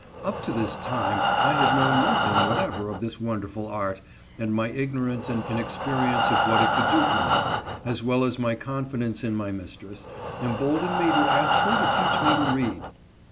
Up to this time I had known nothing whatever of this wonder ful art, and my ignorance and inexperience of what it could do for me, as well as my confidence in my mistress, emboldened me to ask her to teach me to read.